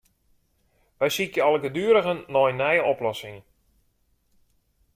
Wy sykje algeduerigen nei nije oplossingen.